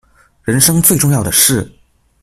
人生最重要的事